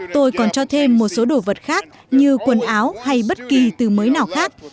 tôi còn cho thêm một số đồ vật khác như quần áo hay bất kỳ từ mới nào khác